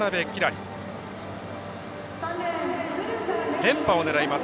連覇を狙います